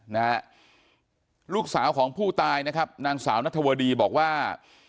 นะฮะลูกสาวของผู้ตายนะครับนางสาวนัทวดีบอกว่า